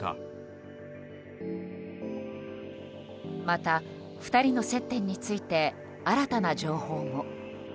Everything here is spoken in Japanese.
また、２人の接点について新たな情報も。